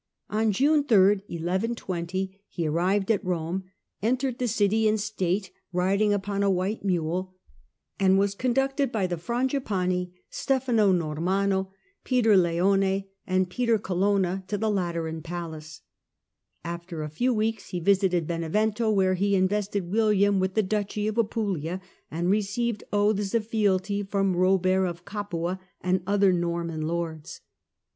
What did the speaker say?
On June 8 he arrived at Rome, Grand re entered the city in state riding upon a whit^ ^e pope mule, and was conducted by the Frangipani, juneMiso Stefano Normanno, Peter Leone, and Peter Oolonna to the Lateran Palace. After a few weeks he visited Benevento, where he invested William with the duchy of Apulia, and received oaths of fealty from Robert of Capua and other Norman lords.